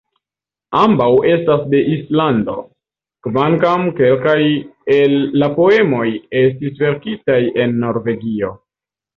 Ambaŭ estas de Islando, kvankam kelkaj el la poemoj estis verkitaj en Norvegio.